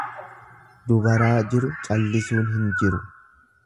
Dubaraa jiru callisuun hin jiru.